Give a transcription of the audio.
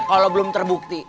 kalau belum terbukti